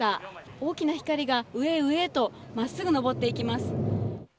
大きな光が、上へ上へと真っすぐ登っていきます。